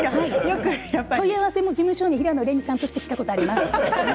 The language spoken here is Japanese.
問い合わせも事務所に平野レミさんとして来たことがあります。